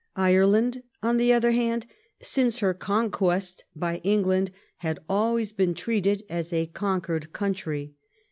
Ireland, on the other hand, since her conquest by England had always been treated as a conquered country.